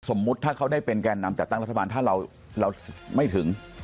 สมมุติถ้าเขาได้เป็นแก่นำจัดตั้งรัฐบาลถ้าเราไม่ถึง